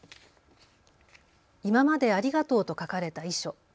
今までありがとうと書かれた遺書。